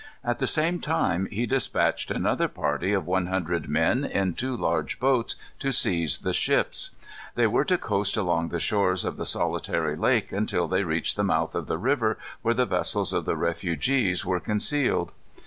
At the same time he dispatched another party of one hundred men in two large boats, to seize the ships. They were to coast along the shores of the solitary lake until they reached the mouth of the river where the vessels of the refugees were concealed.